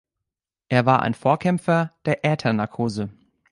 Er war ein Vorkämpfer der Äthernarkose.